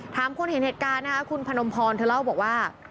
ถามคนเห็นเหตุการณ์นะคะคุณพนมพรเธอเล่าบอกว่า